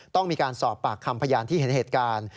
ต้องมีการสอบปากคำพยานที่เห็นเหตุการณ์